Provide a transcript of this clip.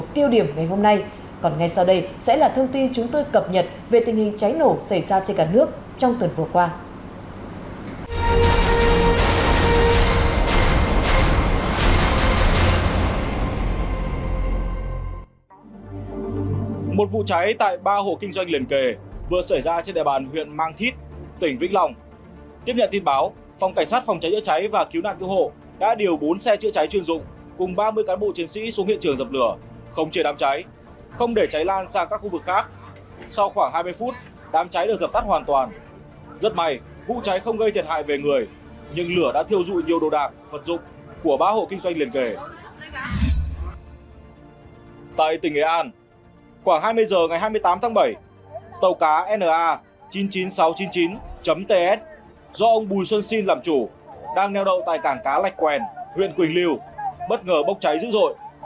quảng hai mươi h ngày hai mươi tám tháng bảy tàu cá nra chín mươi chín nghìn sáu trăm chín mươi chín ts do ông bùi xuân sinh làm chủ đang neo đậu tại cảng cá lạch quèn huyện quỳnh liêu bất ngờ bốc cháy dữ dội